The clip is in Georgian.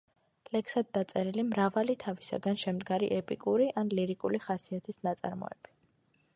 ლექსად დაწერილი მრავალი თავისაგან შემდგარი ეპიკური, ან ლირიკული ხასიათის ნაწარმოები.